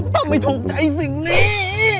ต้องไม่ถูกใจสิ่งนี้